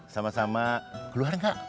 sama sama keluar gak